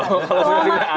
kalau suksesnya nggak ada